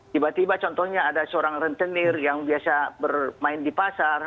tiba tiba contohnya ada seorang rentenir yang biasa bermain di pasar